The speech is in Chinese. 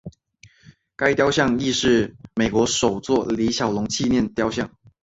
该雕像亦是美国首座李小龙纪念雕像。